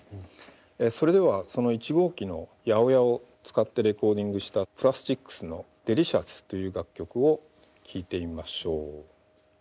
それではその１号機の８０８を使ってレコーディングしたプラスチックスの「ＤＥＬＩＣＩＯＵＳ」という楽曲を聴いてみましょう。